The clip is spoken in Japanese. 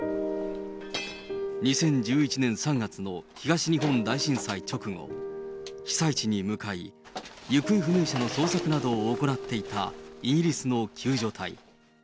２０１１年３月の東日本大震災直後、被災地に向かい、行方不明者の捜索などを行っていたイギリスの救助隊。